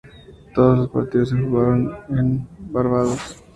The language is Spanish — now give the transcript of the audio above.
Todos los partidos se jugaron en Barbados.